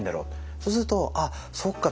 そうするとああそっかと。